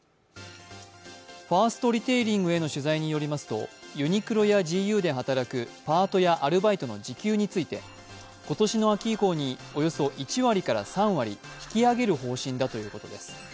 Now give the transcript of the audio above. ファーストリテイリングの取材によりますと、ユニクロやＧＵで働くパートやアルバイトの時給について今年の秋以降におよそ１割から３割引き上げる方針だということです。